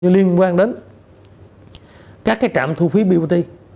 liên quan đến các cái trạm thu phí bot